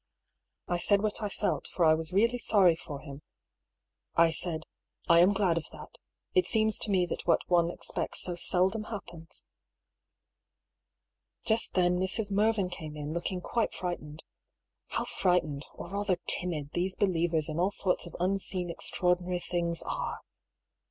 • I said what I felt, for I was really sorry for him. I said :^' I am glad of that. It seems to me that what one expects so seldom happens." Just then Mrs. Mervyn came in, looking quite fright ened. (How frightened — or rather timid — these be lievers in all sorts of unseen extraordinary things are